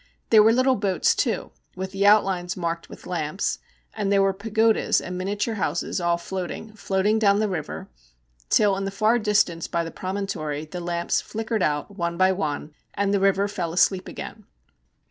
There were little boats, too, with the outlines marked with lamps, and there were pagodas and miniature houses all floating, floating down the river, till, in far distance by the promontory, the lamps flickered out one by one, and the river fell asleep again.